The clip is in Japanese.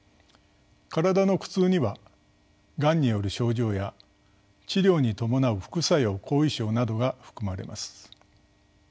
「身体の苦痛」にはがんによる症状や治療に伴う副作用・後遺症などが含まれます。